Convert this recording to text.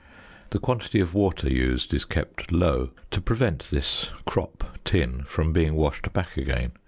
The quantity of water used is kept low, to prevent this "crop" tin from being washed back again.